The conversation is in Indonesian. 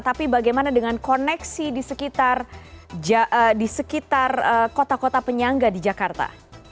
tapi bagaimana dengan koneksi di sekitar kota kota penyangga di jakarta